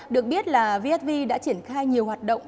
được biết là vsv đã triển khai nhiều hoạt động